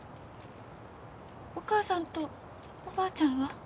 お母さんとおばあちゃんは？